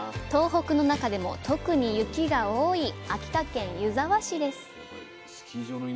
東北の中でも特に雪が多い秋田県湯沢市です